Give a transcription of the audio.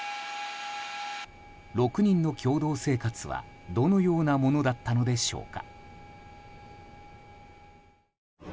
６人の共同生活はどのようなものだったのでしょうか。